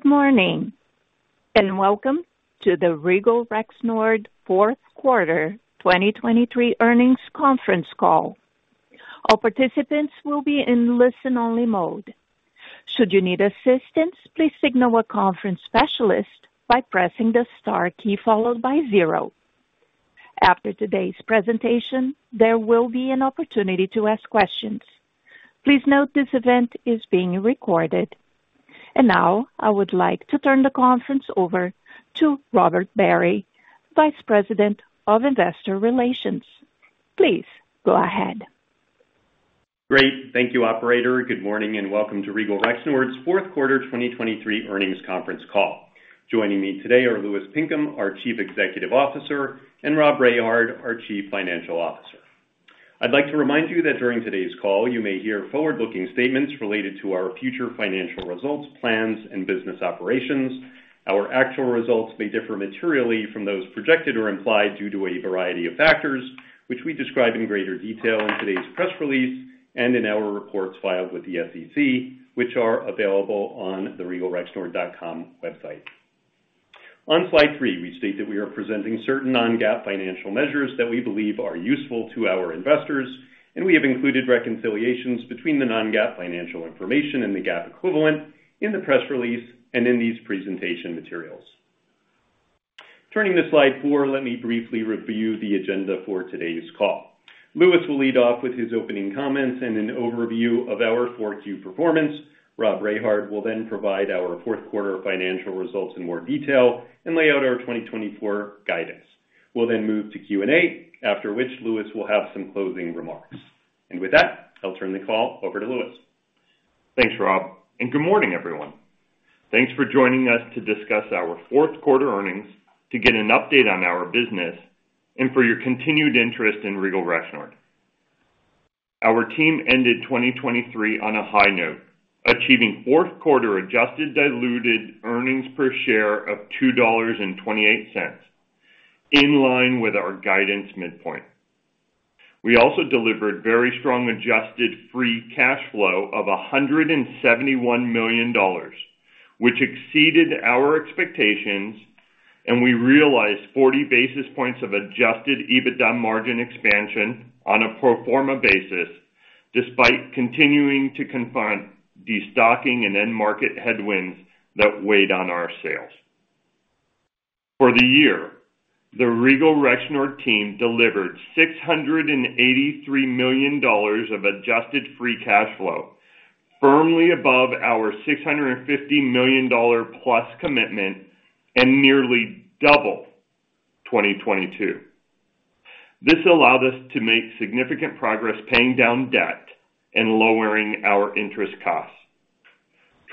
Good morning, and welcome to the Regal Rexnord Fourth Quarter 2023 Earnings Conference Call. All participants will be in listen-only mode. Should you need assistance, please signal a conference specialist by pressing the star key followed by zero. After today's presentation, there will be an opportunity to ask questions. Please note this event is being recorded. Now I would like to turn the conference over to Robert Barry, Vice President of Investor Relations. Please go ahead. Great. Thank you, operator. Good morning, and welcome to Regal Rexnord's fourth quarter 2023 earnings conference call. Joining me today are Louis Pinkham, our Chief Executive Officer, and Rob Rehard, our Chief Financial Officer. I'd like to remind you that during today's call, you may hear forward-looking statements related to our future financial results, plans, and business operations. Our actual results may differ materially from those projected or implied due to a variety of factors, which we describe in greater detail in today's press release and in our reports filed with the SEC, which are available on the regalrexnord.com website. On slide three, we state that we are presenting certain non-GAAP financial measures that we believe are useful to our investors, and we have included reconciliations between the non-GAAP financial information and the GAAP equivalent in the press release and in these presentation materials. Turning to slide four, let me briefly review the agenda for today's call. Louis will lead off with his opening comments and an overview of our fourth Q performance. Rob Rehard will then provide our fourth quarter financial results in more detail and lay out our 2024 guidance. We'll then move to Q&A, after which Louis will have some closing remarks. And with that, I'll turn the call over to Louis. Thanks, Rob, and good morning, everyone. Thanks for joining us to discuss our fourth quarter earnings, to get an update on our business, and for your continued interest in Regal Rexnord. Our team ended 2023 on a high note, achieving fourth quarter adjusted diluted earnings per share of $2.28, in line with our guidance midpoint. We also delivered very strong adjusted Free Cash Flow of $171 million, which exceeded our expectations, and we realized 40 basis points of adjusted EBITDA margin expansion on a pro forma basis, despite continuing to confront destocking and end-market headwinds that weighed on our sales. For the year, the Regal Rexnord team delivered $683 million of Adjusted Free Cash Flow, firmly above our $650 million plus commitment and nearly double 2022. This allowed us to make significant progress paying down debt and lowering our interest costs.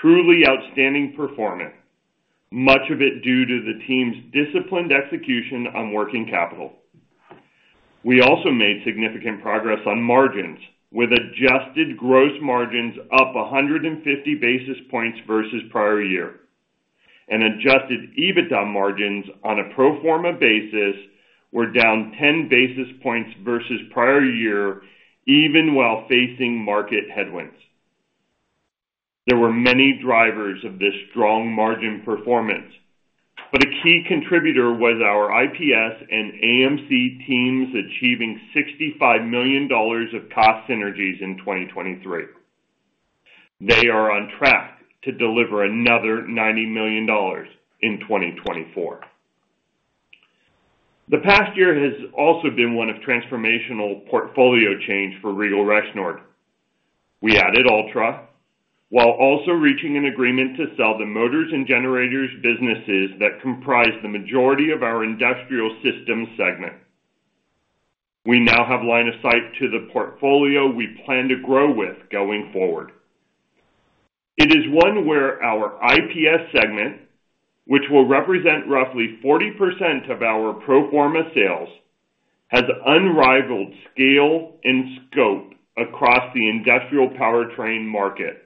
Truly outstanding performance, much of it due to the team's disciplined execution on working capital. We also made significant progress on margins, with adjusted gross margins up 150 basis points versus prior year, and adjusted EBITDA margins on a pro forma basis were down 10 basis points versus prior year, even while facing market headwinds. There were many drivers of this strong margin performance, but a key contributor was our IPS and AMC teams achieving $65 million of cost synergies in 2023. They are on track to deliver another $90 million in 2024. The past year has also been one of transformational portfolio change for Regal Rexnord. We added Altra, while also reaching an agreement to sell the motors and generators businesses that comprise the majority of our Industrial Systems segment. We now have line of sight to the portfolio we plan to grow with going forward. It is one where our IPS segment, which will represent roughly 40% of our pro forma sales, has unrivaled scale and scope across the industrial powertrain market,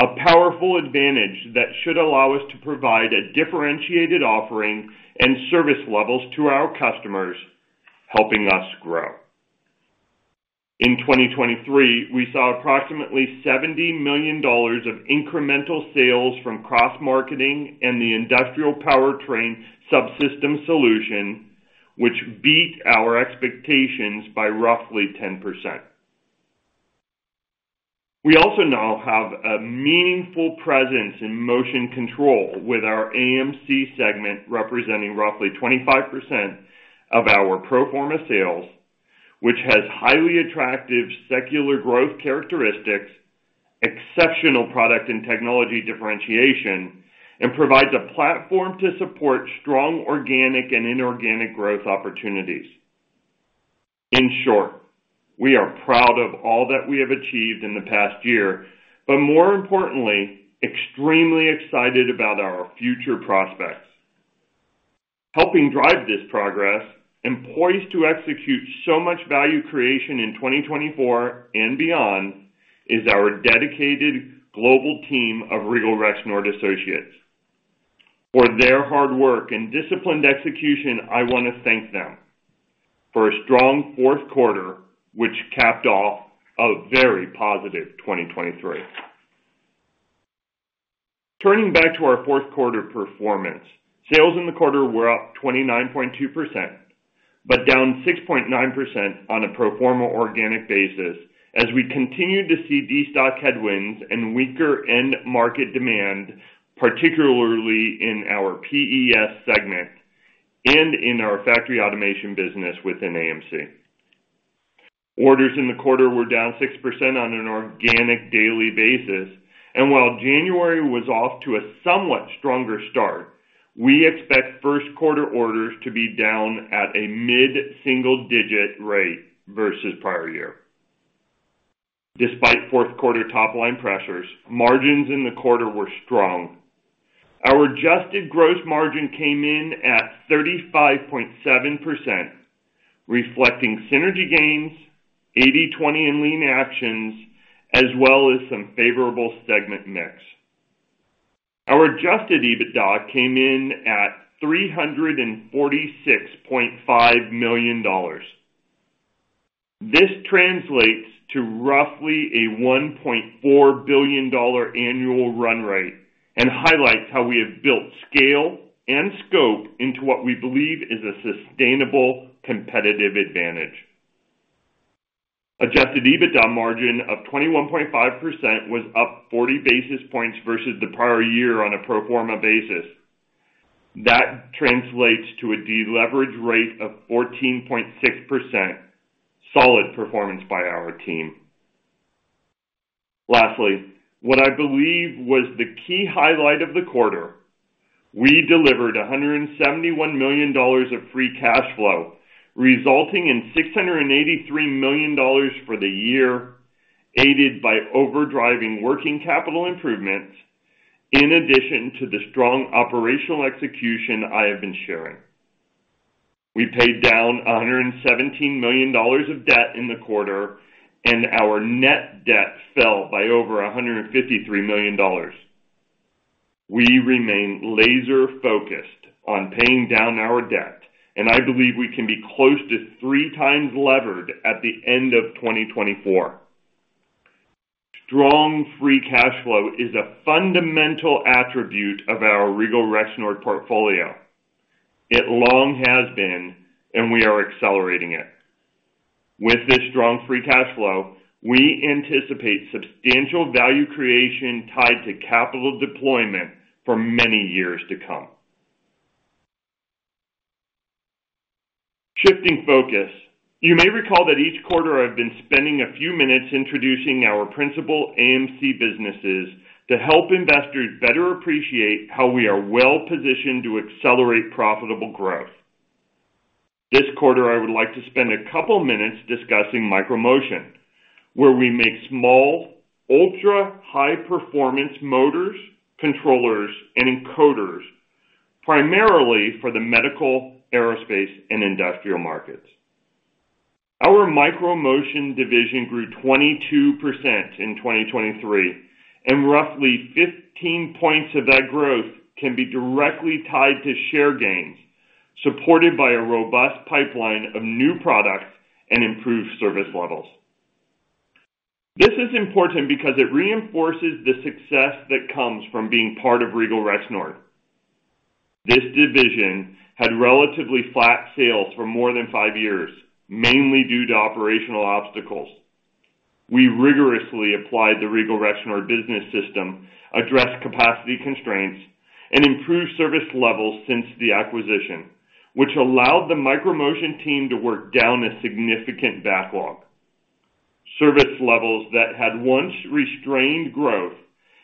a powerful advantage that should allow us to provide a differentiated offering and service levels to our customers, helping us grow. In 2023, we saw approximately $70 million of incremental sales from cross-marketing and the industrial powertrain subsystem solution, which beat our expectations by roughly 10%. We also now have a meaningful presence in motion control, with our AMC segment representing roughly 25% of our pro forma sales, which has highly attractive secular growth characteristics, exceptional product and technology differentiation, and provides a platform to support strong organic and inorganic growth opportunities. In short, we are proud of all that we have achieved in the past year, but more importantly, extremely excited about our future prospects. Helping drive this progress and poised to execute so much value creation in 2024 and beyond, is our dedicated global team of Regal Rexnord Associates. For their hard work and disciplined execution, I want to thank them for a strong fourth quarter, which capped off a very positive 2023. Turning back to our fourth quarter performance, sales in the quarter were up 29.2%, but down 6.9% on a pro forma organic basis as we continued to see destock headwinds and weaker end market demand, particularly in our PES segment and in our factory automation business within AMC. Orders in the quarter were down 6% on an organic daily basis, and while January was off to a somewhat stronger start, we expect first quarter orders to be down at a mid-single digit rate versus prior year. Despite fourth quarter top line pressures, margins in the quarter were strong. Our adjusted gross margin came in at 35.7%, reflecting synergy gains, 80/20 and lean actions, as well as some favorable segment mix. Our adjusted EBITDA came in at $346.5 million. This translates to roughly a $1.4 billion annual run rate and highlights how we have built scale and scope into what we believe is a sustainable competitive advantage. Adjusted EBITDA margin of 21.5% was up 40 basis points versus the prior year on a pro forma basis. That translates to a deleverage rate of 14.6%. Solid performance by our team. Lastly, what I believe was the key highlight of the quarter, we delivered $171 million of free cash flow, resulting in $683 million for the year, aided by overdriving working capital improvements. In addition to the strong operational execution I have been sharing, we paid down $117 million of debt in the quarter, and our net debt fell by over $153 million. We remain laser focused on paying down our debt, and I believe we can be close to 3x levered at the end of 2024. Strong free cash flow is a fundamental attribute of our Regal Rexnord portfolio. It long has been, and we are accelerating it. With this strong free cash flow, we anticipate substantial value creation tied to capital deployment for many years to come. Shifting focus, you may recall that each quarter I've been spending a few minutes introducing our principal AMC businesses to help investors better appreciate how we are well positioned to accelerate profitable growth. This quarter, I would like to spend a couple minutes discussing Micro-Motion, where we make small, ultra-high-performance motors, controllers, and encoders, primarily for the medical, aerospace, and industrial markets. Our Micro-Motion division grew 22% in 2023, and roughly 15 points of that growth can be directly tied to share gains, supported by a robust pipeline of new products and improved service levels. This is important because it reinforces the success that comes from being part of Regal Rexnord. This division had relatively flat sales for more than 5 years, mainly due to operational obstacles. We rigorously applied the Regal Rexnord Business System, addressed capacity constraints, and improved service levels since the acquisition, which allowed the Micro-Motion team to work down a significant backlog. Service levels that had once restrained growth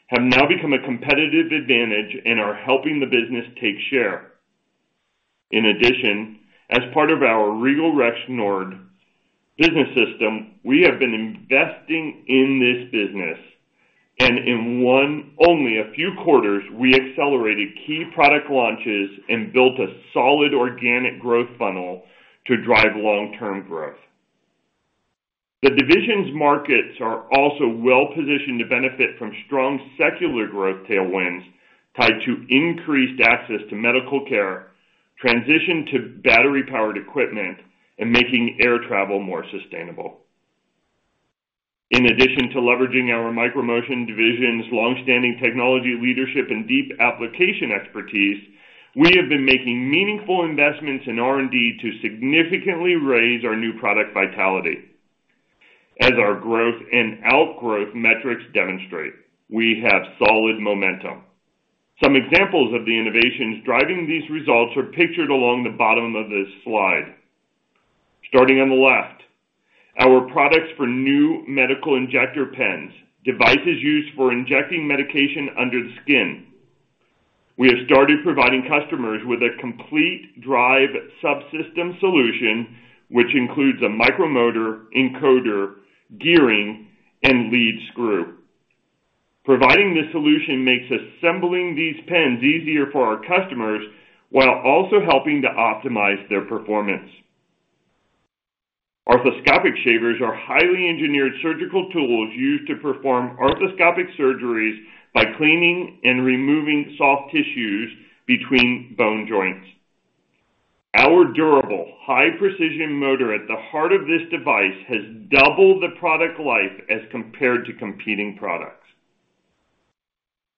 have now become a competitive advantage and are helping the business take share. In addition, as part of our Regal Rexnord Business System, we have been investing in this business, and in only a few quarters, we accelerated key product launches and built a solid organic growth funnel to drive long-term growth. The division's markets are also well positioned to benefit from strong secular growth tailwinds tied to increased access to medical care, transition to battery-powered equipment, and making air travel more sustainable. In addition to leveraging our Micro-Motion division's long-standing technology leadership and deep application expertise, we have been making meaningful investments in R&D to significantly raise our new product vitality. As our growth and outgrowth metrics demonstrate, we have solid momentum. Some examples of the innovations driving these results are pictured along the bottom of this slide. Starting on the left, our products for new medical injector pens, devices used for injecting medication under the skin. We have started providing customers with a complete drive subsystem solution, which includes a micromotor, encoder, gearing, and lead screw. Providing this solution makes assembling these pens easier for our customers, while also helping to optimize their performance. Arthroscopic shavers are highly engineered surgical tools used to perform arthroscopic surgeries by cleaning and removing soft tissues between bone joints. Our durable, high-precision motor at the heart of this device has doubled the product life as compared to competing products.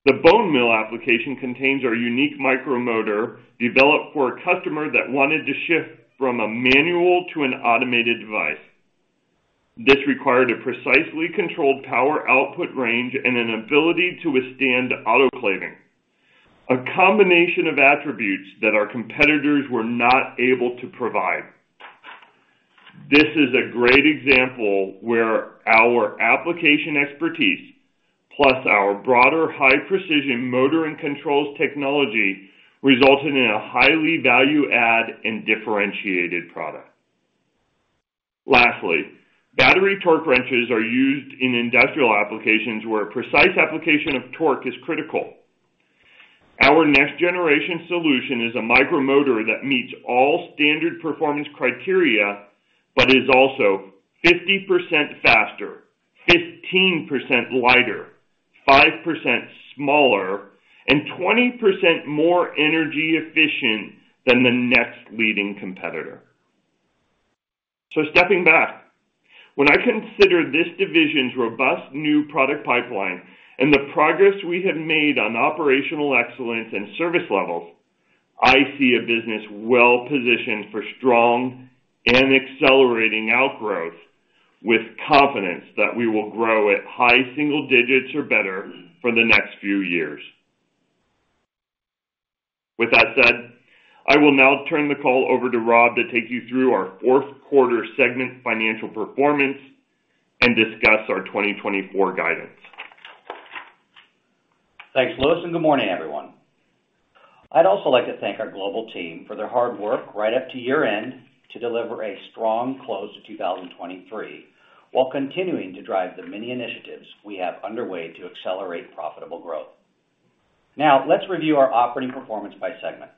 The bone mill application contains our unique micro motor, developed for a customer that wanted to shift from a manual to an automated device. This required a precisely controlled power output range and an ability to withstand autoclaving, a combination of attributes that our competitors were not able to provide. This is a great example where our application expertise, plus our broader high-precision motor and controls technology, resulted in a highly value add and differentiated product. Lastly, battery torque wrenches are used in industrial applications where precise application of torque is critical. Our next generation solution is a micro motor that meets all standard performance criteria, but is also 50% faster, 15% lighter, 5% smaller, and 20% more energy efficient than the next leading competitor. Stepping back, when I consider this division's robust new product pipeline and the progress we have made on operational excellence and service levels, I see a business well positioned for strong and accelerating outgrowth, with confidence that we will grow at high single digits or better for the next few years. With that said, I will now turn the call over to Rob to take you through our fourth quarter segment financial performance and discuss our 2024 guidance. Thanks, Louis, and good morning, everyone. I'd also like to thank our global team for their hard work right up to year-end to deliver a strong close to 2023, while continuing to drive the many initiatives we have underway to accelerate profitable growth. Now, let's review our operating performance by segment.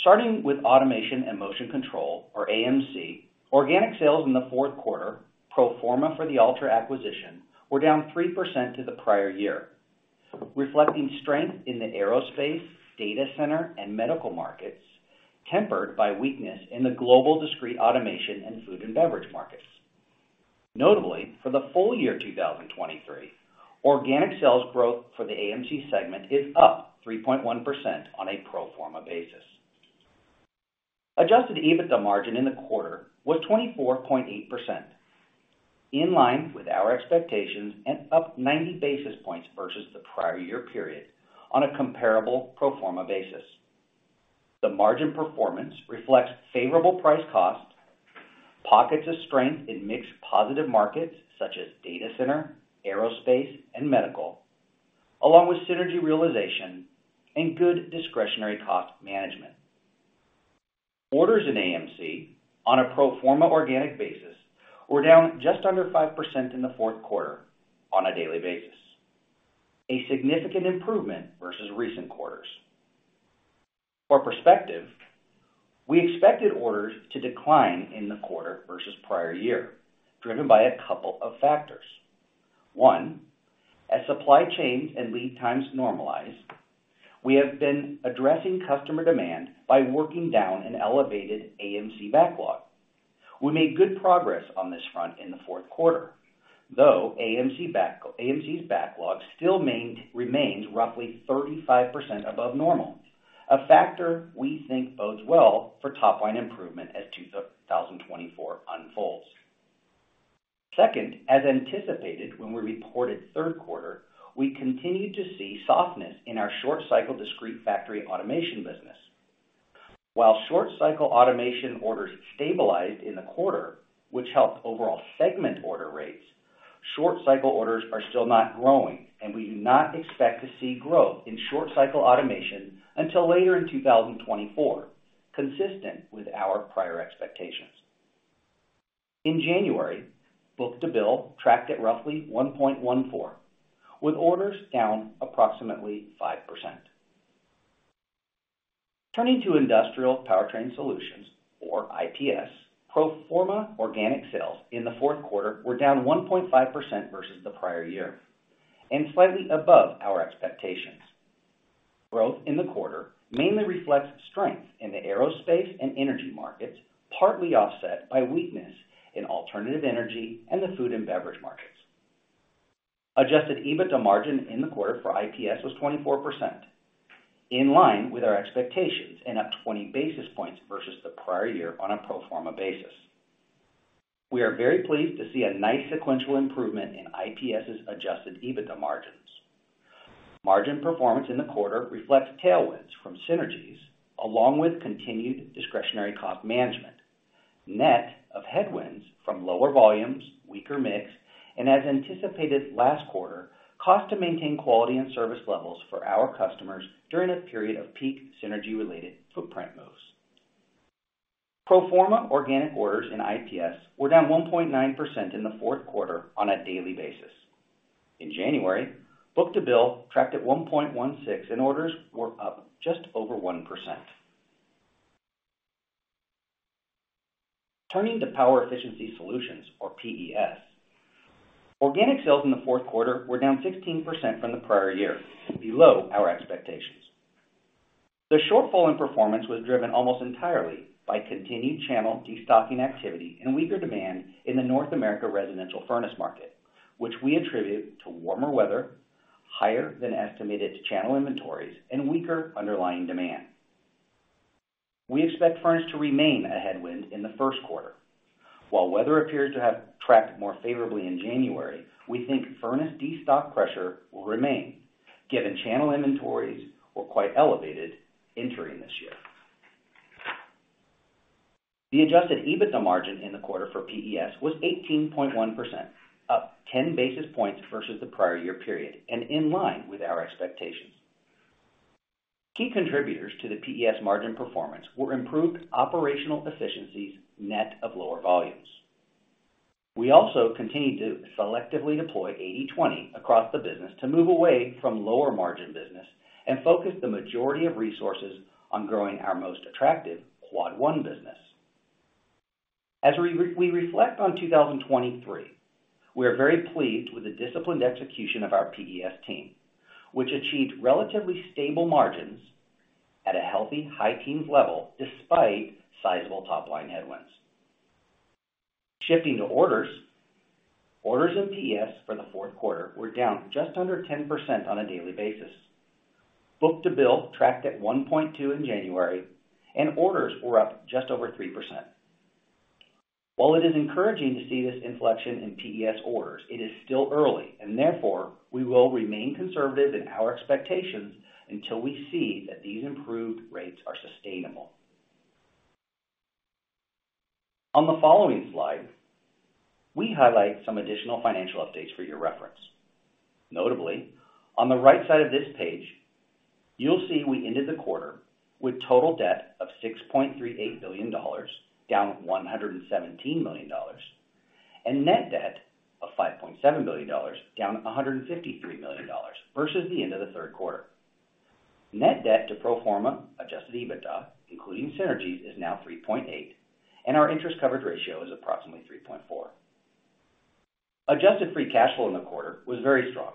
Starting with Automation and Motion Control, or AMC, organic sales in the fourth quarter, pro forma for the Altra acquisition, were down 3% to the prior year, reflecting strength in the aerospace, data center, and medical markets, tempered by weakness in the global discrete automation and food and beverage markets. Notably, for the full year 2023, organic sales growth for the AMC segment is up 3.1% on a pro forma basis. Adjusted EBITDA margin in the quarter was 24.8%, in line with our expectations and up 90 basis points versus the prior year period on a comparable pro forma basis. The margin performance reflects favorable price costs, pockets of strength in mixed positive markets, such as data center, aerospace, and medical, along with synergy realization and good discretionary cost management. Orders in AMC on a pro forma organic basis were down just under 5% in the fourth quarter on a daily basis, a significant improvement versus recent quarters. For perspective, we expected orders to decline in the quarter versus prior year, driven by a couple of factors. One, as supply chains and lead times normalize, we have been addressing customer demand by working down an elevated AMC backlog. We made good progress on this front in the fourth quarter, though AMC's backlog still remains roughly 35% above normal, a factor we think bodes well for top line improvement as 2024 unfolds. Second, as anticipated, when we reported third quarter, we continued to see softness in our short cycle discrete factory automation business. While short cycle automation orders stabilized in the quarter, which helped overall segment order rates, short cycle orders are still not growing, and we do not expect to see growth in short cycle automation until later in 2024, consistent with our prior expectations. In January, book-to-bill tracked at roughly 1.14, with orders down approximately 5%. Turning to Industrial Powertrain Solutions, or IPS, pro forma organic sales in the fourth quarter were down 1.5% versus the prior year and slightly above our expectations. Growth in the quarter mainly reflects strength in the aerospace and energy markets, partly offset by weakness in alternative energy and the food and beverage markets. Adjusted EBITDA margin in the quarter for IPS was 24%, in line with our expectations, and up 20 basis points versus the prior year on a pro forma basis. We are very pleased to see a nice sequential improvement in IPS's adjusted EBITDA margins. Margin performance in the quarter reflects tailwinds from synergies, along with continued discretionary cost management, net of headwinds from lower volumes, weaker mix, and as anticipated last quarter, cost to maintain quality and service levels for our customers during a period of peak synergy-related footprint moves. Pro forma organic orders in IPS were down 1.9% in the fourth quarter on a daily basis. In January, book-to-bill tracked at 1.16, and orders were up just over 1%. Turning to Power Efficiency Solutions, or PES. Organic sales in the fourth quarter were down 16% from the prior year, below our expectations. The shortfall in performance was driven almost entirely by continued channel destocking activity and weaker demand in the North America residential furnace market, which we attribute to warmer weather, higher than estimated channel inventories, and weaker underlying demand. We expect furnace to remain a headwind in the first quarter. While weather appears to have tracked more favorably in January, we think furnace destock pressure will remain, given channel inventories were quite elevated entering this year. The adjusted EBITDA margin in the quarter for PES was 18.1%, up 10 basis points versus the prior year period, and in line with our expectations. Key contributors to the PES margin performance were improved operational efficiencies, net of lower volumes. We also continued to selectively deploy 80/20 across the business to move away from lower-margin business and focus the majority of resources on growing our most attractive Quad 1 business. As we reflect on 2023, we are very pleased with the disciplined execution of our PES team, which achieved relatively stable margins at a healthy high teens level, despite sizable top-line headwinds. Shifting to orders. Orders in PES for the fourth quarter were down just under 10% on a daily basis. Book-to-bill tracked at 1.2 in January, and orders were up just over 3%. While it is encouraging to see this inflection in PES orders, it is still early, and therefore, we will remain conservative in our expectations until we see that these improved rates are sustainable. On the following slide, we highlight some additional financial updates for your reference. Notably, on the right side of this page, you'll see we ended the quarter with total debt of $6.38 billion, down $117 million, and net debt of $5.7 billion, down $153 million versus the end of the third quarter. Net debt to pro forma adjusted EBITDA, including synergies, is now 3.8, and our interest coverage ratio is approximately 3.4. Adjusted Free Cash Flow in the quarter was very strong,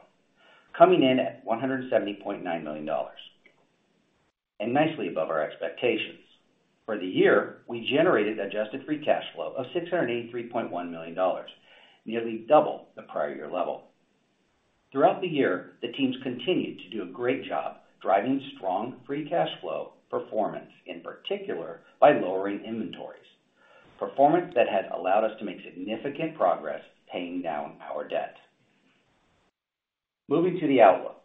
coming in at $170.9 million, and nicely above our expectations. For the year, we generated adjusted Free Cash Flow of $683.1 million, nearly double the prior year level. Throughout the year, the teams continued to do a great job driving strong free cash flow performance, in particular by lowering inventories, performance that has allowed us to make significant progress paying down our debt. Moving to the outlook.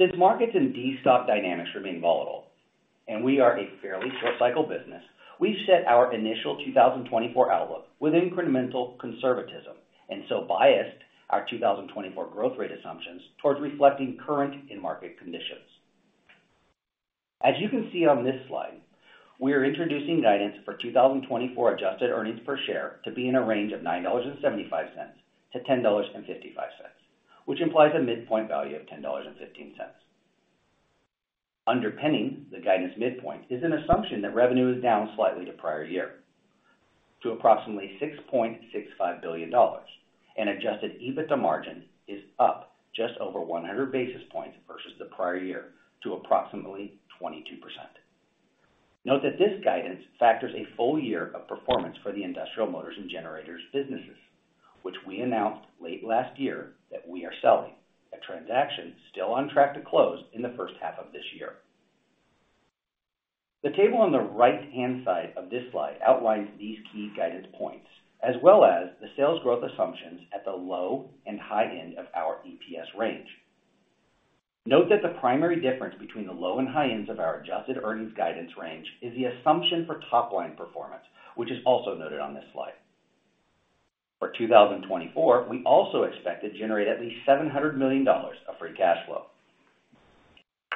Since markets and destocking dynamics remain volatile, and we are a fairly short-cycle business, we've set our initial 2024 outlook with incremental conservatism, and so biased our 2024 growth rate assumptions towards reflecting current end market conditions. As you can see on this slide, we are introducing guidance for 2024 adjusted earnings per share to be in a range of $9.75-$10.55, which implies a midpoint value of $10.15. Underpinning the guidance midpoint is an assumption that revenue is down slightly to prior year to approximately $6.65 billion, and adjusted EBITDA margin is up just over 100 basis points versus the prior year to approximately 22%. Note that this guidance factors a full year of performance for the industrial motors and generators businesses, which we announced late last year that we are selling, a transaction still on track to close in the first half of this year. The table on the right-hand side of this slide outlines these key guidance points, as well as the sales growth assumptions at the low and high end of our EPS range. Note that the primary difference between the low and high ends of our adjusted earnings guidance range is the assumption for top-line performance, which is also noted on this slide. For 2024, we also expect to generate at least $700 million of free cash flow.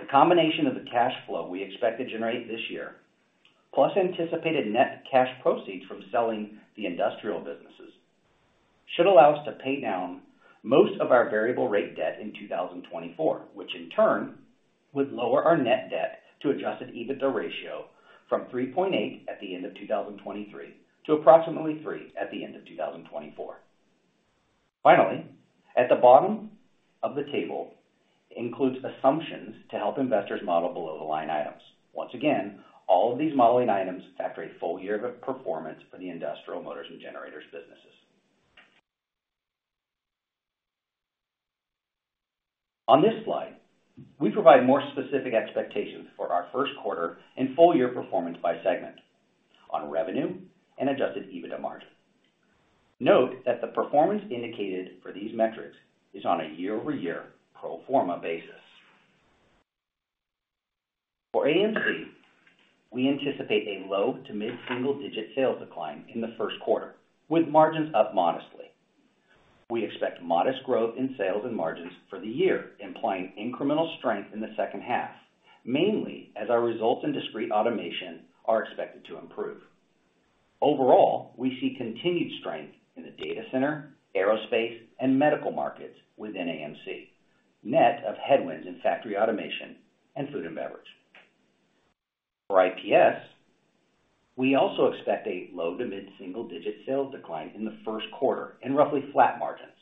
The combination of the cash flow we expect to generate this year, plus anticipated net cash proceeds from selling the industrial businesses, should allow us to pay down most of our variable rate debt in 2024, which in turn would lower our net debt to adjusted EBITDA ratio from 3.8 at the end of 2023 to approximately 3 at the end of 2024. Finally, at the bottom of the table, includes assumptions to help investors model below-the-line items. Once again, all of these modeling items factor a full year of performance for the industrial motors and generators businesses. On this slide, we provide more specific expectations for our first quarter and full year performance by segment on revenue and Adjusted EBITDA margin. Note that the performance indicated for these metrics is on a year-over-year Pro Forma basis. For AMC, we anticipate a low- to mid-single-digit sales decline in the first quarter, with margins up modestly. We expect modest growth in sales and margins for the year, implying incremental strength in the second half mainly as our results in discrete automation are expected to improve. Overall, we see continued strength in the data center, aerospace, and medical markets within AMC, net of headwinds in factory automation and food and beverage. For IPS, we also expect a low to mid-single-digit sales decline in the first quarter and roughly flat margins.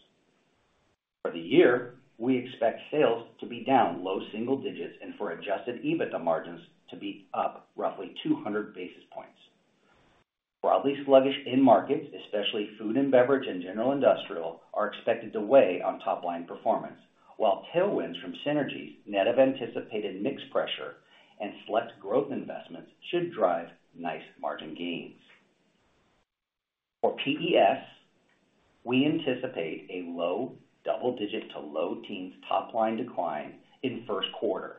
For the year, we expect sales to be down low single digits and for adjusted EBITDA margins to be up roughly 200 basis points. Broadly sluggish end markets, especially food and beverage and general industrial, are expected to weigh on top line performance, while tailwinds from synergies, net of anticipated mix pressure and select growth investments, should drive nice margin gains. For PES, we anticipate a low double-digit to low teens top line decline in first quarter,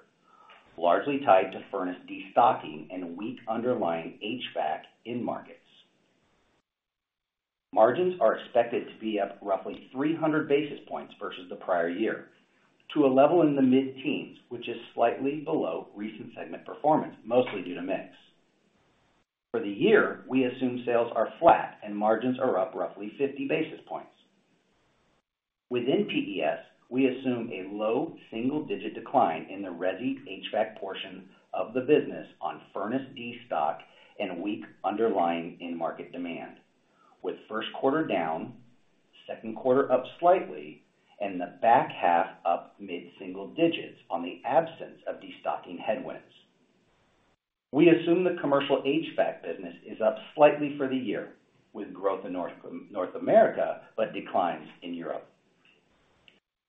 largely tied to furnace destocking and weak underlying HVAC end markets. Margins are expected to be up roughly 300 basis points versus the prior year to a level in the mid-teens, which is slightly below recent segment performance, mostly due to mix. For the year, we assume sales are flat and margins are up roughly 50 basis points. Within PES, we assume a low single-digit decline in the resi HVAC portion of the business on furnace destocking and weak underlying end market demand, with first quarter down, second quarter up slightly, and the back half up mid-single digits on the absence of destocking headwinds. We assume the commercial HVAC business is up slightly for the year, with growth in North America, but declines in Europe.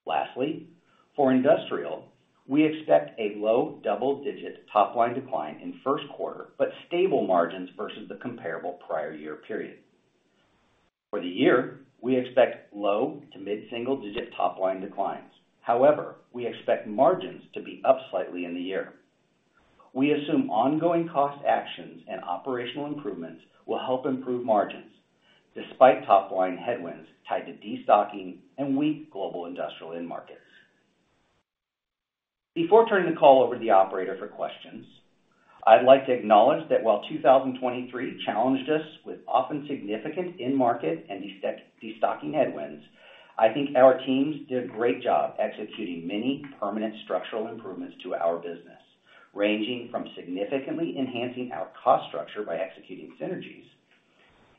Lastly, for industrial, we expect a low double-digit top line decline in first quarter, but stable margins versus the comparable prior year period. For the year, we expect low to mid-single digit top line declines. However, we expect margins to be up slightly in the year. We assume ongoing cost actions and operational improvements will help improve margins, despite top line headwinds tied to destocking and weak global industrial end markets. Before turning the call over to the operator for questions, I'd like to acknowledge that while 2023 challenged us with often significant end market and destocking headwinds, I think our teams did a great job executing many permanent structural improvements to our business, ranging from significantly enhancing our cost structure by executing synergies,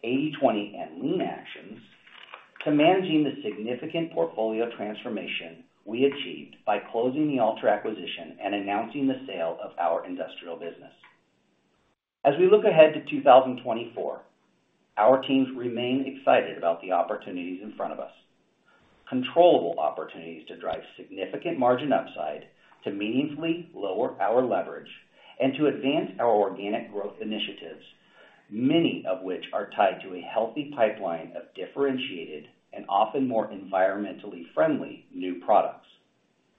80/20 lean actions, to managing the significant portfolio transformation we achieved by closing the Altra acquisition and announcing the sale of our industrial business. As we look ahead to 2024, our teams remain excited about the opportunities in front of us. Controllable opportunities to drive significant margin upside, to meaningfully lower our leverage, and to advance our organic growth initiatives, many of which are tied to a healthy pipeline of differentiated and often more environmentally friendly new products.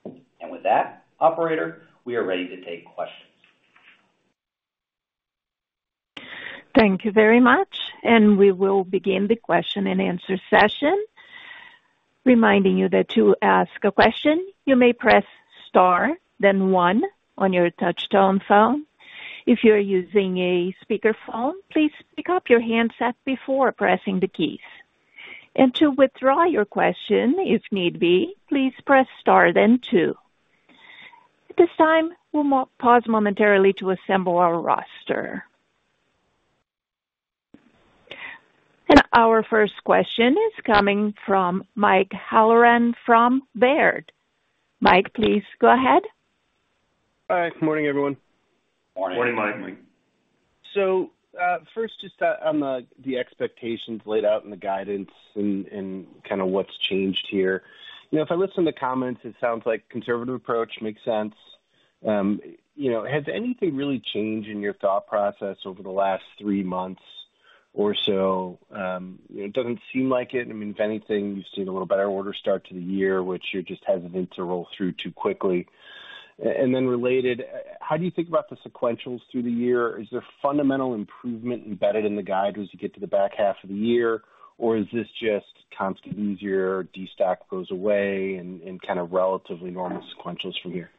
And with that, operator, we are ready to take questions. Thank you very much, and we will begin the question-and-answer session. Reminding you that to ask a question, you may press star, then one on your touch tone phone. If you are using a speakerphone, please pick up your handset before pressing the keys. And to withdraw your question, if need be, please press star, then two. At this time, we'll pause momentarily to assemble our roster. And our first question is coming from Mike Halloran from Baird. Mike, please go ahead. Hi, good morning, everyone. Morning. Morning, Mike. So, first, just on the expectations laid out in the guidance and kind of what's changed here. You know, if I listen to comments, it sounds like conservative approach makes sense. You know, has anything really changed in your thought process over the last three months or so? It doesn't seem like it. I mean, if anything, you've seen a little better order start to the year, which you're just hesitant to roll through too quickly. And then related, how do you think about the sequentials through the year? Is there fundamental improvement embedded in the guide as you get to the back half of the year, or is this just comps get easier, destock goes away and kind of relatively normal sequentials from here?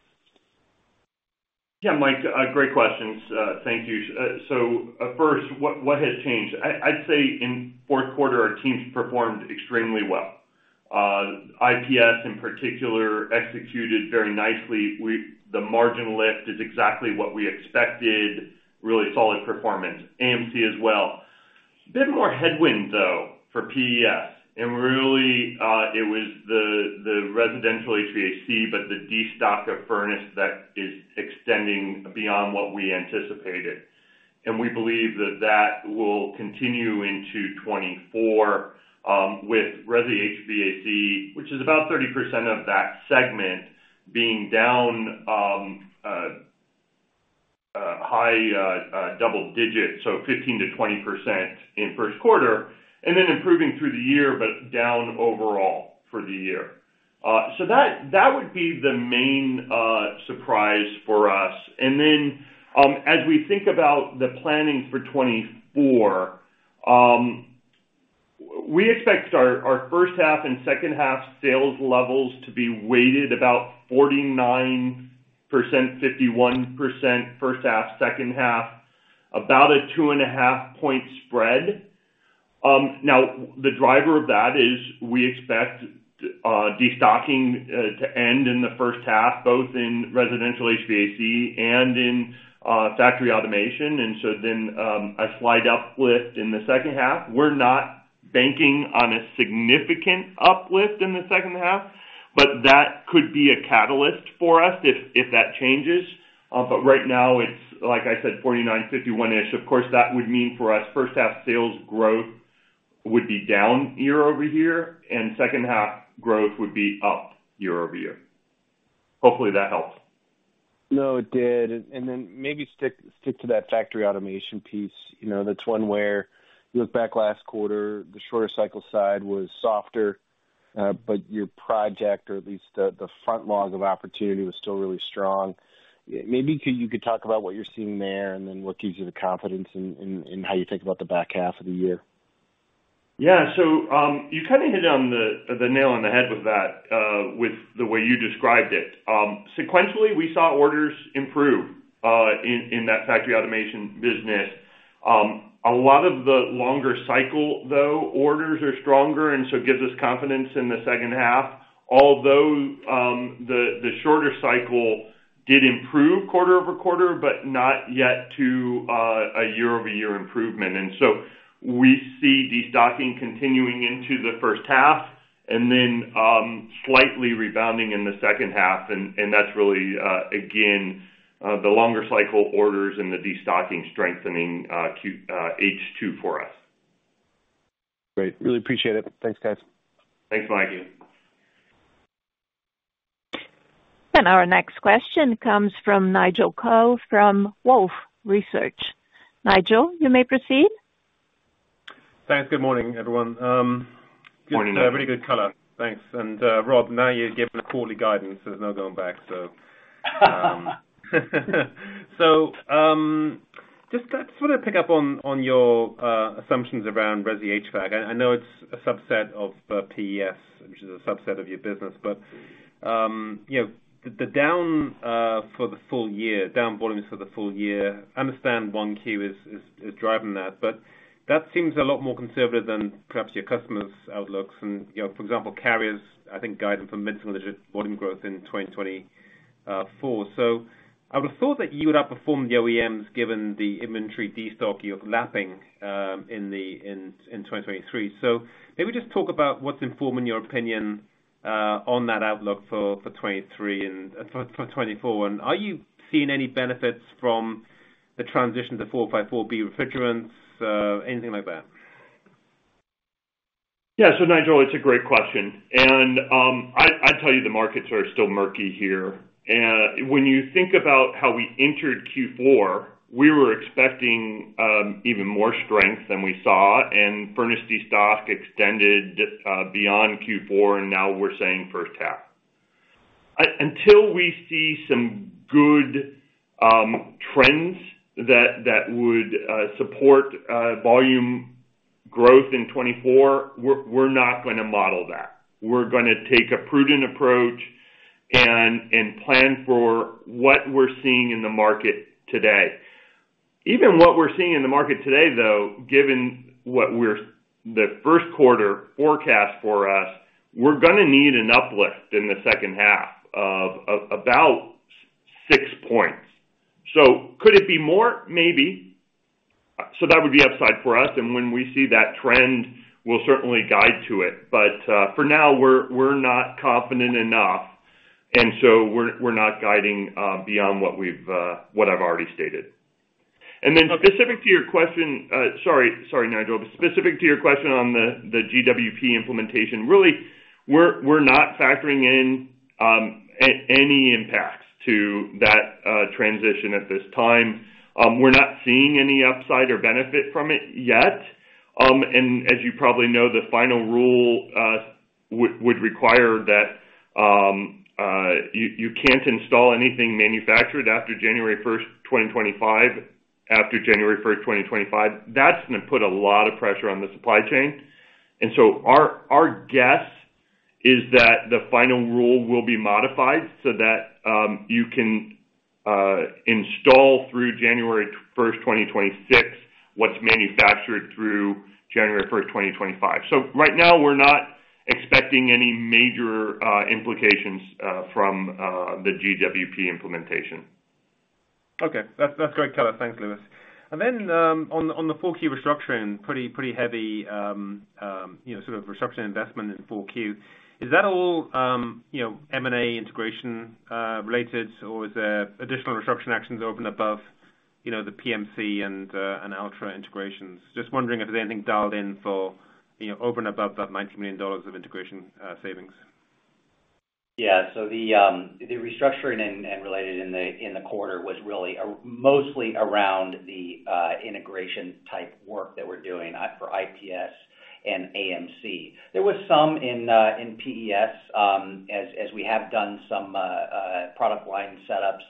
Yeah, Mike, great questions. Thank you. So, first, what has changed? I'd say in fourth quarter, our teams performed extremely well. IPS, in particular, executed very nicely. The margin lift is exactly what we expected. Really solid performance. AMC as well. A bit more headwind, though, for PES, and really, it was the residential HVAC, but the destocking of furnace that is extending beyond what we anticipated. And we believe that that will continue into 2024, with resi HVAC, which is about 30% of that segment being down, high double digits, so 15%-20% in first quarter, and then improving through the year, but down overall for the year. So that would be the main surprise for us. As we think about the planning for 2024, we expect our first half and second half sales levels to be weighted about 49%, 51%, first half, second half, about a 2.5-point spread. Now the driver of that is we expect destocking to end in the first half, both in residential HVAC and in factory automation. And so then, a slight uplift in the second half. We're not banking on a significant uplift in the second half, but that could be a catalyst for us if that changes. But right now, it's like I said, 49, 51-ish. Of course, that would mean for us, first half sales growth would be down year-over-year, and second half growth would be up year-over-year. Hopefully, that helps. No, it did. And, and then maybe stick, stick to that factory automation piece. You know, that's one where you look back last quarter, the shorter cycle side was softer, but your project, or at least the, the front log of opportunity, was still really strong. Maybe you could talk about what you're seeing there, and then what gives you the confidence in, in, in how you think about the back half of the year? Yeah. So, you kind of hit on the nail on the head with that, with the way you described it. Sequentially, we saw orders improve in that factory automation business. A lot of the longer cycle, though, orders are stronger, and so it gives us confidence in the second half. Although, the shorter cycle did improve quarter-over-quarter, but not yet to a year-over-year improvement. And so we see destocking continuing into the first half and then slightly rebounding in the second half. And that's really, again, the longer cycle orders and the destocking strengthening H2 for us. Great. Really appreciate it. Thanks, guys. Thanks, Mikey. And our next question comes from Nigel Coe from Wolfe Research. Nigel, you may proceed. Thanks. Good morning, everyone. Morning, Nigel. Just a very good color. Thanks. And, Rob, now you're giving a quarterly guidance, so there's no going back, so. So, just sort of pick up on, on your, assumptions around resi HVAC. I know it's a subset of, PES, which is a subset of your business, but, you know, the, the down, for the full year, down volumes for the full year, understand 1Q is driving that, but that seems a lot more conservative than perhaps your customers' outlooks. And, you know, for example, Carrier's, I think, guidance for mid-single digit volume growth in 2024. So I would have thought that you would outperform the OEMs, given the inventory destock you're lapping, in the, in 2023. Maybe just talk about what's informing your opinion on that outlook for 2023 and 2024. Are you seeing any benefits from the transition to 454B refrigerants, anything like that? Yeah. So, Nigel, it's a great question. And, I, I'd tell you, the markets are still murky here. And when you think about how we entered Q4, we were expecting, even more strength than we saw, and furnace destock extended, beyond Q4, and now we're saying first half. Until we see some good, trends that, that would, support, volume growth in 2024, we're, we're not gonna model that. We're gonna take a prudent approach and, and plan for what we're seeing in the market today. Even what we're seeing in the market today, though, given what we're, the first quarter forecast for us, we're gonna need an uplift in the second half of, of about six points. So could it be more? Maybe. So that would be upside for us, and when we see that trend, we'll certainly guide to it. But for now, we're not confident enough, and so we're not guiding beyond what I've already stated. And then specific to your question, sorry, Nigel, but specific to your question on the GWP implementation, really, we're not factoring in any impacts to that transition at this time. We're not seeing any upside or benefit from it yet. And as you probably know, the final rule would require that you can't install anything manufactured after January 1st, 2025, after January 1st, 2025. That's gonna put a lot of pressure on the supply chain. And so our guess is that the final rule will be modified so that you can install through January 1st, 2026, what's manufactured through January 1st, 2025. So right now, we're not expecting any major implications from the GWP implementation. Okay. That's, that's great color. Thanks, Louis. And then on the 4Q restructuring, pretty, pretty heavy, you know, sort of restructuring investment in 4Q. Is that all, you know, M&A integration related, or is there additional restructuring actions over and above, you know, the PMC and and Altra integrations? Just wondering if there's anything dialed in for, you know, over and above that $90 million of integration savings. Yeah. So the restructuring and related in the quarter was really mostly around the integration type work that we're doing for IPS and AMC. There was some in PES, as we have done some product line setups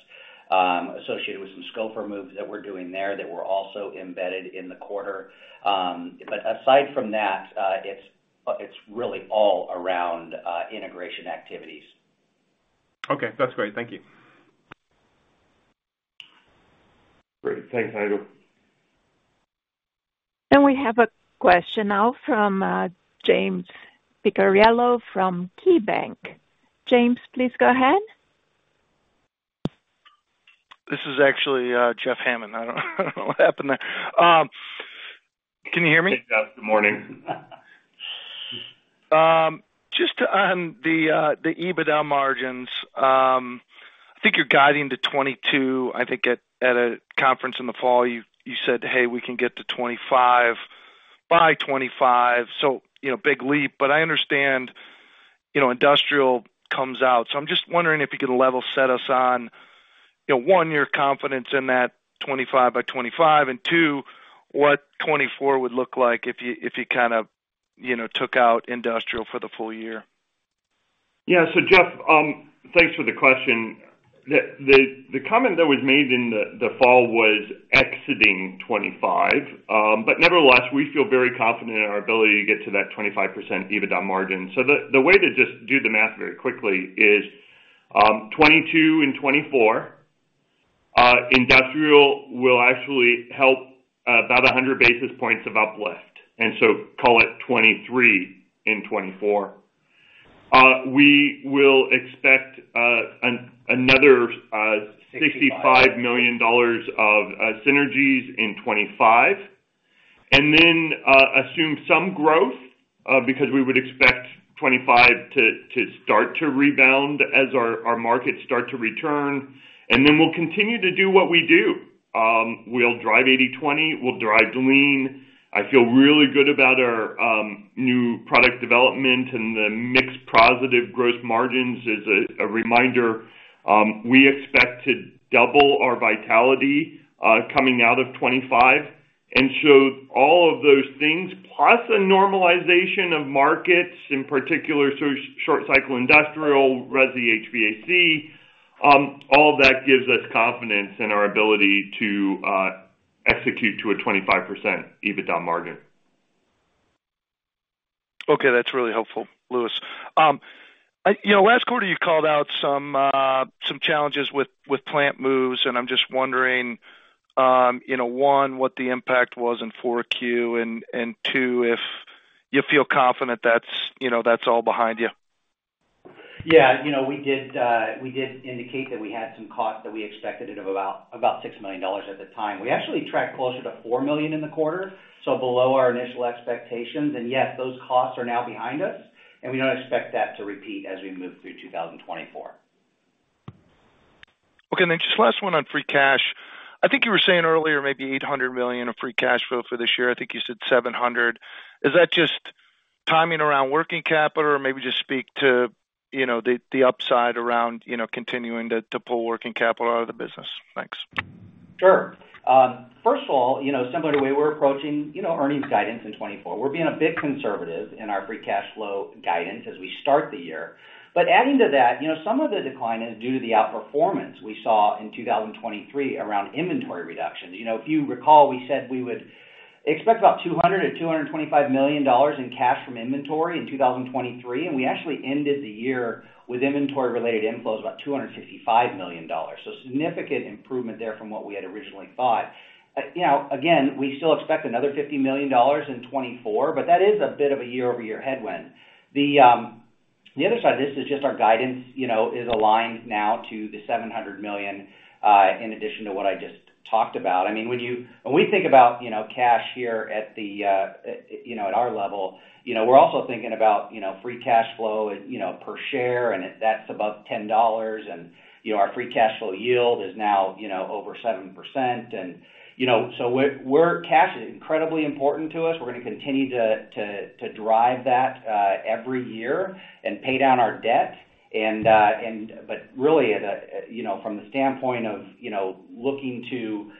associated with some scope for moves that we're doing there that were also embedded in the quarter. But aside from that, it's really all around integration activities. Okay, that's great. Thank you. Great. Thanks, Nigel. We have a question now from James Picariello from KeyBanc. James, please go ahead. This is actually, Jeff Hammond. I don't know what happened there. Can you hear me? Hey, Jeff, good morning. Just on the EBITDA margins, I think you're guiding to 22%. I think at a conference in the fall, you said, "Hey, we can get to 25% by 2025," so, you know, big leap, but I understand, you know, industrial comes out. So I'm just wondering if you could level set us on, you know, one, your confidence in that 25% by 2025, and two, what 2024 would look like if you kind of, you know, took out industrial for the full year. Yeah. So, Jeff, thanks for the question. The comment that was made in the fall was exiting 25. But nevertheless, we feel very confident in our ability to get to that 25% EBITDA margin. So the way to just do the math very quickly is, 22% and 2024, industrial will actually help, about 100 basis points of uplift, and so call it 23% in 2024. We will expect another 65 million dollars of synergies in 2025, and then assume some growth, because we would expect 2025 to start to rebound as our markets start to return. And then we'll continue to do what we do. We'll drive 80/20, we'll drive lean. I feel really good about our new product development and the mixed positive growth margins. As a reminder, we expect to double our vitality coming out of 2025, and so all of those things, plus a normalization of markets, in particular, so short cycle industrial, resi HVAC, all that gives us confidence in our ability to execute to a 25% EBITDA margin. Okay. That's really helpful, Louis. You know, last quarter, you called out some, some challenges with plant moves, and I'm just wondering, you know, one, what the impact was in 4Q, and two, if you feel confident that's, you know, that's all behind you. Yeah. You know, we did, we did indicate that we had some costs that we expected of about $6 million at the time. We actually tracked closer to $4 million in the quarter, so below our initial expectations. And yes, those costs are now behind us, and we don't expect that to repeat as we move through 2024. Okay. Then just last one on free cash. I think you were saying earlier, maybe $800 million in free cash flow for this year. I think you said $700 million. Is that just timing around working capital? Or maybe just speak to, you know, the upside around, you know, continuing to pull working capital out of the business. Thanks. Sure. First of all, you know, similar to the way we're approaching, you know, earnings guidance in 2024, we're being a bit conservative in our free cash flow guidance as we start the year. But adding to that, you know, some of the decline is due to the outperformance we saw in 2023 around inventory reductions. You know, if you recall, we said we would expect about $200 million-$225 million in cash from inventory in 2023, and we actually ended the year with inventory-related inflows, about $255 million. So significant improvement there from what we had originally thought. You know, again, we still expect another $50 million in 2024, but that is a bit of a year-over-year headwind. The other side of this is just our guidance, you know, is aligned now to the $700 million in addition to what I just talked about. I mean, when we think about, you know, cash here at the, you know, at our level, you know, we're also thinking about, you know, free cash flow, you know, per share, and that's above $10. And, you know, our free cash flow yield is now, you know, over 7%. And, you know, so we're cash is incredibly important to us. We're gonna continue to drive that every year and pay down our debt. But really, you know, from the standpoint of, you know, looking to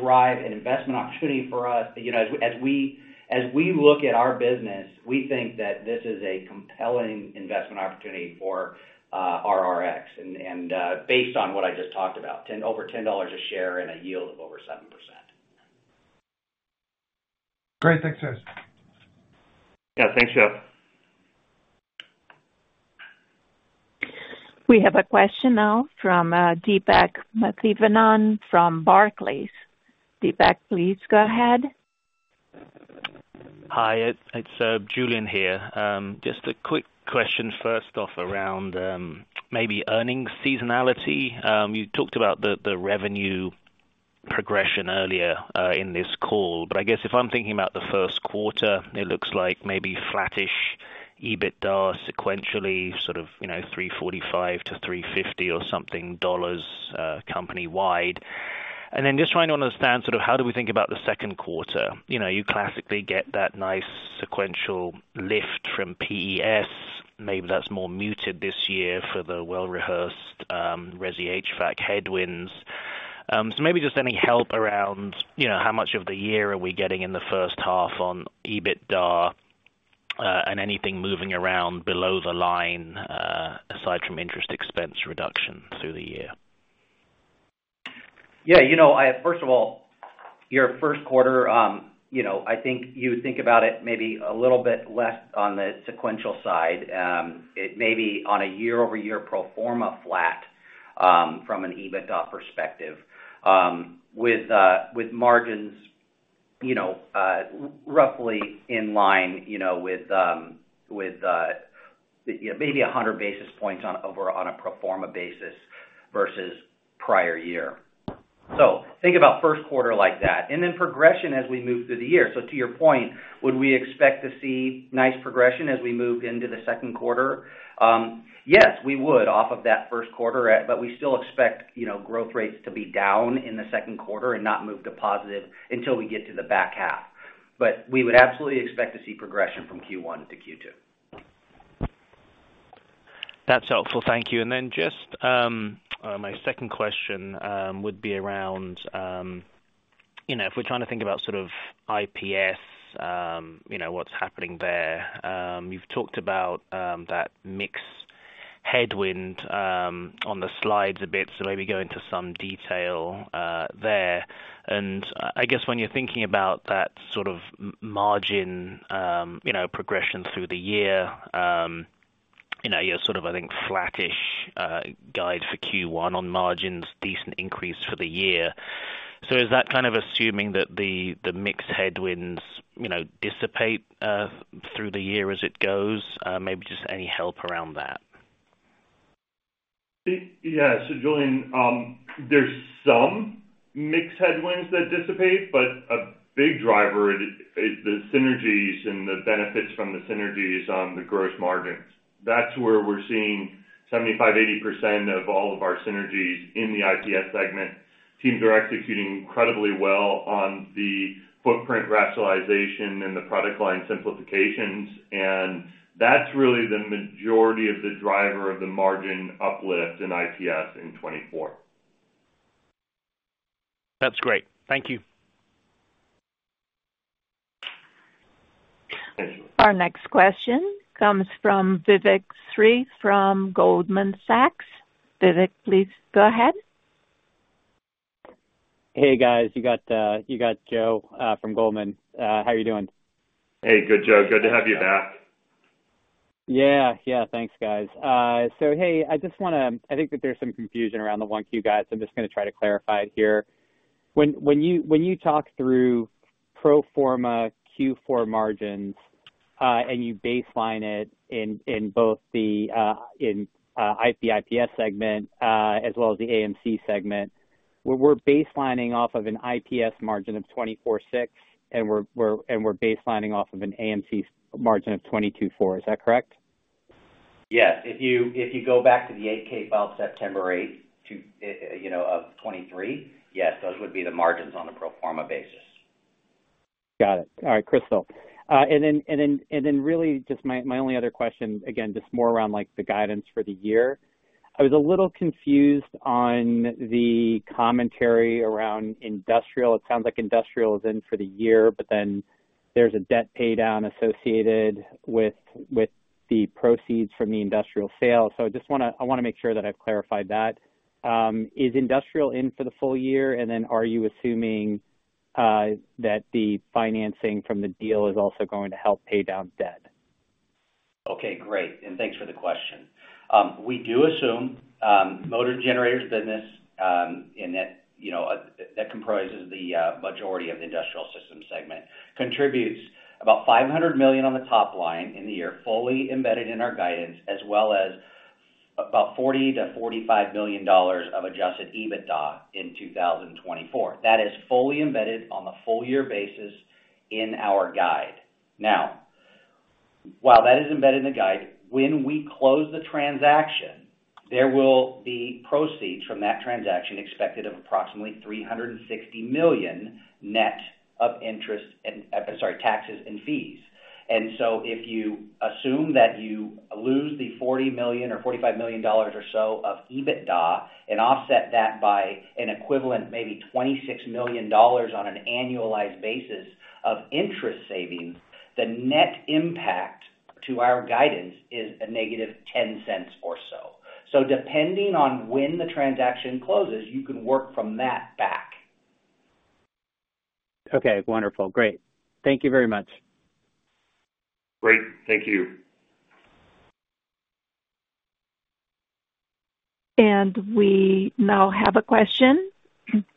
drive an investment opportunity for us, you know, as we look at our business, we think that this is a compelling investment opportunity for RRX, and based on what I just talked about, over $10 a share and a yield of over 7%. Great. Thanks, guys. Yeah. Thanks, Jeff. We have a question now from, Deepak Mathivanan from Barclays. Deepak, please go ahead. Hi, it's Julian here. Just a quick question first off around maybe earnings seasonality. You talked about the revenue progression earlier in this call, but I guess if I'm thinking about the first quarter, it looks like maybe flattish EBITDA sequentially, sort of, you know, $345-$350 or something dollars company-wide. And then just trying to understand sort of how do we think about the second quarter? You know, you classically get that nice sequential lift from PES. Maybe that's more muted this year for the well-rehearsed resi HVAC headwinds. So maybe just any help around, you know, how much of the year are we getting in the first half on EBITDA, and anything moving around below the line, aside from interest expense reduction through the year? Yeah, you know, I, first of all, your first quarter, you know, I think you would think about it maybe a little bit less on the sequential side. It may be on a year-over-year pro forma flat, from an EBITDA perspective, with, with margins, you know, roughly in line, you know, with, with, yeah, maybe 100 basis points over on a pro forma basis versus prior year. So think about first quarter like that, and then progression as we move through the year. So to your point, would we expect to see nice progression as we move into the second quarter? Yes, we would, off of that first quarter, but we still expect, you know, growth rates to be down in the second quarter and not move to positive until we get to the back half. But we would absolutely expect to see progression from Q1 to Q2. That's helpful. Thank you. And then just my second question would be around you know, if we're trying to think about sort of IPS, you know, what's happening there. You've talked about that mix headwind on the slides a bit, so maybe go into some detail there. And I guess when you're thinking about that sort of margin you know, progression through the year, you know, you're sort of, I think, flattish guide for Q1 on margins, decent increase for the year. So is that kind of assuming that the mix headwinds you know, dissipate through the year as it goes? Maybe just any help around that. Yeah. So Julian, there's some mix headwinds that dissipate, but a big driver is the synergies and the benefits from the synergies on the gross margins. That's where we're seeing 75%-80% of all of our synergies in the IPS segment. Teams are executing incredibly well on the footprint rationalization and the product line simplifications, and that's really the majority of the driver of the margin uplift in IPS in 2024. That's great. Thank you. Our next question comes from Vivek Sri from Goldman Sachs. Vivek, please go ahead. Hey, guys, you got Joe from Goldman. How are you doing? Hey, good, Joe. Good to have you back. Yeah. Yeah. Thanks, guys. So hey, I just wanna I think that there's some confusion around the 1Q guidance. I'm just gonna try to clarify it here. When you talk through pro forma Q4 margins, and you baseline it in both the IPS segment as well as the AMC segment, we're baselining off of an IPS margin of 24.6%, and we're baselining off of an AMC margin of 22.4%. Is that correct? Yes. If you, if you go back to the 8-K filed September 8th to, you know, of 2023, yes, those would be the margins on a pro forma basis. Got it. All right. Crystal. And then really just my only other question, again, just more around like the guidance for the year. I was a little confused on the commentary around industrial. It sounds like industrial is in for the year, but then there's a debt paydown associated with the proceeds from the industrial sale. So I just wanna make sure that I've clarified that. Is industrial in for the full year, and then are you assuming that the financing from the deal is also going to help pay down debt? Okay, great, and thanks for the question. We do assume motor generators business, and that, you know, that comprises the majority of the industrial systems segment, contributes about $500 million on the top line in the year, fully embedded in our guidance, as well as about $40 million-$45 million of adjusted EBITDA in 2024. That is fully embedded on a full year basis in our guide. Now, while that is embedded in the guide, when we close the transaction, there will be proceeds from that transaction, expected of approximately $360 million net of interest and taxes and fees. If you assume that you lose the $40 million-$45 million or so of EBITDA and offset that by an equivalent, maybe $26 million on an annualized basis of interest savings, the net impact to our guidance is a -$0.10 or so. Depending on when the transaction closes, you can work from that back. Okay, wonderful. Great. Thank you very much. Great. Thank you. We now have a question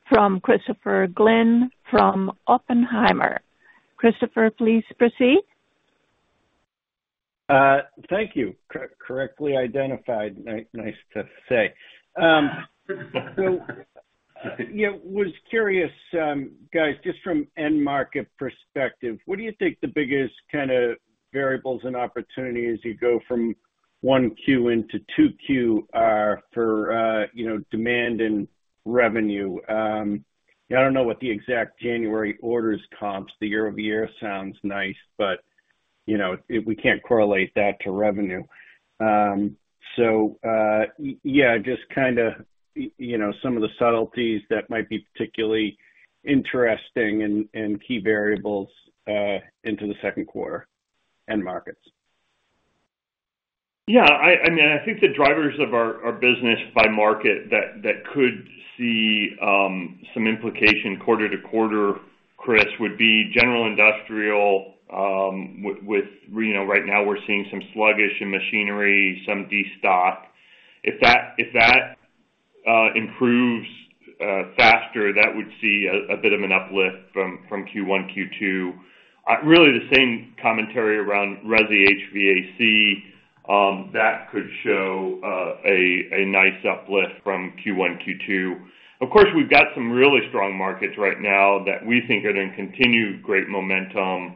from Christopher Glynn from Oppenheimer. Christopher, please proceed. Thank you. Correctly identified. Nice to say. So, yeah, was curious, guys, just from end market perspective, what do you think the biggest kind of variables and opportunities you go from 1Q into 2Q are for, you know, demand and revenue? I don't know what the exact January orders comps, the year-over-year sounds nice, but, you know, if we can't correlate that to revenue. So, yeah, just kinda, you know, some of the subtleties that might be particularly interesting and key variables into the second quarter end markets. Yeah, I mean, I think the drivers of our business by market that could see some implication quarter to quarter, Chris, would be general industrial, with you know, right now we're seeing some sluggish in machinery, some destock. If that improves faster, that would see a bit of an uplift from Q1, Q2. Really, the same commentary around resi HVAC, that could show a nice uplift from Q1, Q2. Of course, we've got some really strong markets right now that we think are in continued great momentum.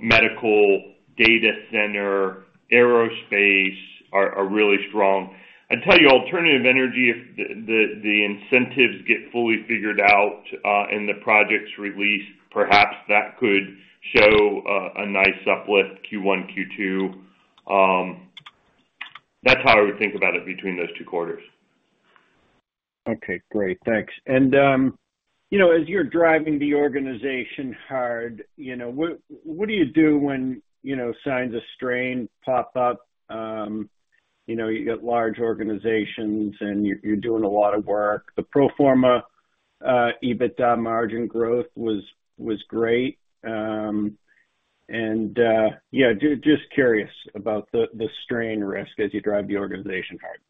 Medical, data center, aerospace are really strong. I'd tell you, alternative energy, if the incentives get fully figured out and the projects released, perhaps that could show a nice uplift Q1, Q2. That's how I would think about it between those two quarters. Okay, great. Thanks. And, you know, as you're driving the organization hard, you know, what, what do you do when, you know, signs of strain pop up? You know, you got large organizations, and you're, you're doing a lot of work. The pro forma EBITDA margin growth was, was great. And, yeah, just curious about the, the strain risk as you drive the organization hard.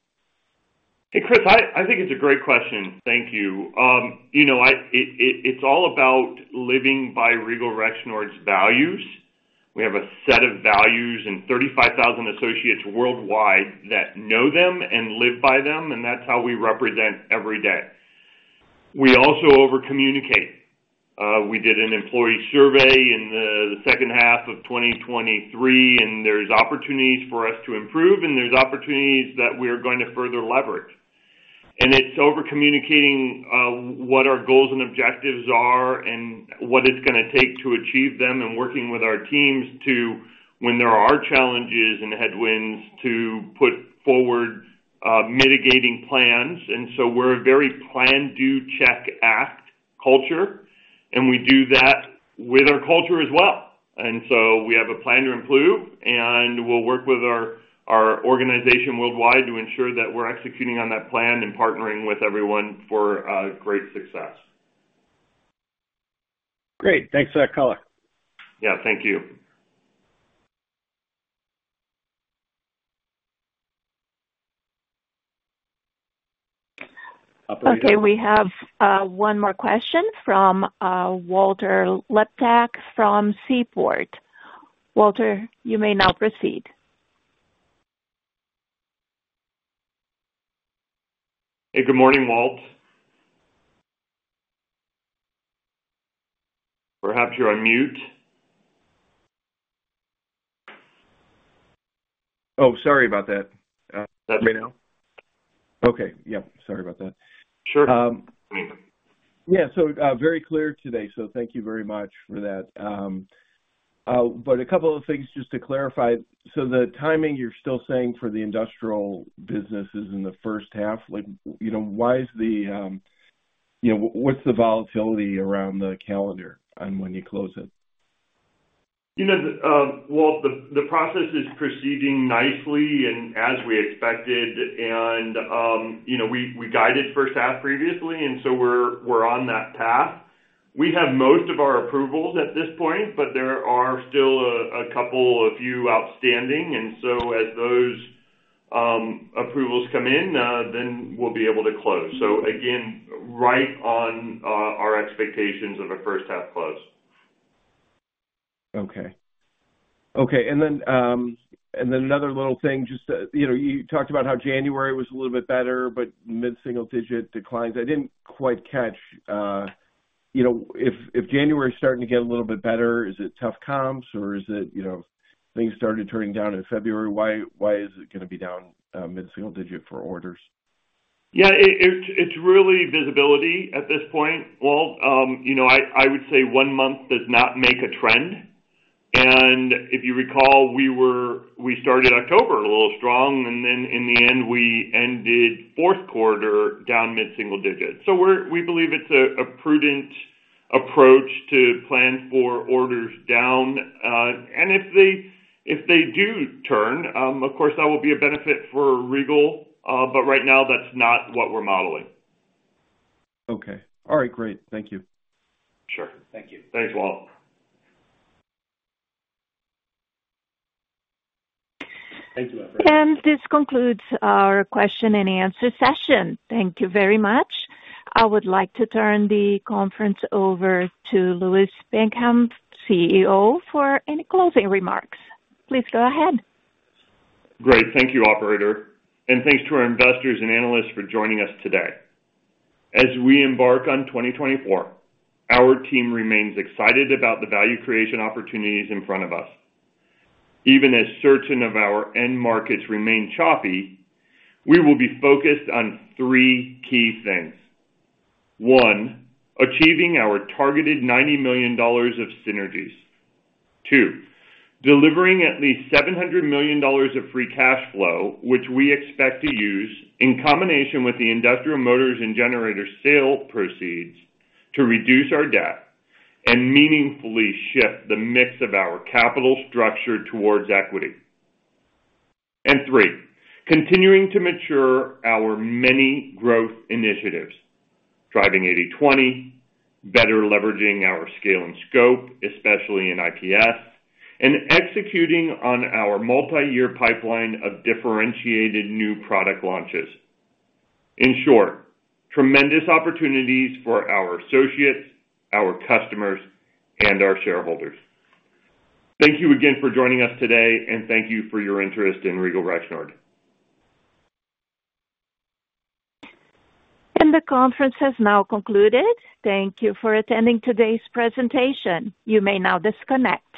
Hey, Chris, I think it's a great question. Thank you. You know, it's all about living by Regal Rexnord's values. We have a set of values and 35,000 associates worldwide that know them and live by them, and that's how we represent every day. We also over-communicate. We did an employee survey in the second half of 2023, and there's opportunities for us to improve, and there's opportunities that we're going to further leverage. And it's overcommunicating what our goals and objectives are and what it's gonna take to achieve them, and working with our teams to, when there are challenges and headwinds, to put forward mitigating plans. And so we're a very plan, do, check, act culture, and we do that with our culture as well. And so we have a plan to improve, and we'll work with our organization worldwide to ensure that we're executing on that plan and partnering with everyone for great success. Great! Thanks for that color. Yeah, thank you. Okay, we have one more question from Walter Liptak from Seaport. Walter, you may now proceed. Hey, good morning, Walt. Perhaps you're on mute. Oh, sorry about that. Better now? Okay. Yep, sorry about that. Sure. Yeah, so, very clear today, so thank you very much for that. But a couple of things just to clarify. So the timing, you're still saying for the industrial business is in the first half. Like, you know, why is the, you know, what's the volatility around the calendar on when you close it? You know, Walt, the process is proceeding nicely and as we expected, and you know, we guided first half previously, and so we're on that path. We have most of our approvals at this point, but there are still a couple, a few outstanding, and so as those approvals come in, then we'll be able to close. So again, right on our expectations of a first half close. Okay. Okay, and then another little thing, just to, you know, you talked about how January was a little bit better, but mid-single-digit declines. I didn't quite catch, you know, if January is starting to get a little bit better, is it tough comps, or is it, you know, things started turning down in February? Why is it gonna be down mid-single digit for orders? Yeah, it's really visibility at this point, Walt. You know, I would say one month does not make a trend. And if you recall, we started October a little strong, and then in the end, we ended fourth quarter down mid-single digits. So we believe it's a prudent approach to plan for orders down, and if they do turn, of course, that will be a benefit for Regal, but right now, that's not what we're modeling. Okay. All right, great. Thank you. Sure. Thank you. Thanks, Walt. Thank you. This concludes our question and answer session. Thank you very much. I would like to turn the conference over to Louis Pinkham, CEO, for any closing remarks. Please go ahead. Great. Thank you, operator, and thanks to our investors and analysts for joining us today. As we embark on 2024, our team remains excited about the value creation opportunities in front of us. Even as certain of our end markets remain choppy, we will be focused on three key things: One, achieving our targeted $90 million of synergies. Two, delivering at least $700 million of free cash flow, which we expect to use in combination with the industrial motors and generator sale proceeds to reduce our debt and meaningfully shift the mix of our capital structure towards equity. And three, continuing to mature our many growth initiatives, driving 80/20, better leveraging our scale and scope, especially in IPS, and executing on our multiyear pipeline of differentiated new product launches. In short, tremendous opportunities for our associates, our customers, and our shareholders. Thank you again for joining us today, and thank you for your interest in Regal Rexnord. The conference has now concluded. Thank you for attending today's presentation. You may now disconnect.